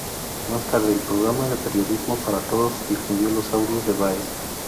Más tarde, el programa Periodismo Para Todos difundió los audios de Baez.